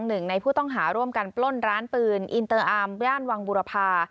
หนึ่งในผู้ต้องหาร่วมกันปล้นร้านปืนอินเตอร์อาร์มย่านวังบุรพา